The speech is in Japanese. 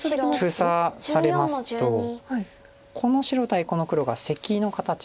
封鎖されますとこの白対この黒がセキの形になります。